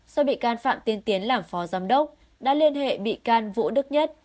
so với mỹ can phạm tiến tiến làm phó giám đốc đã liên hệ mỹ can vũ đức nhất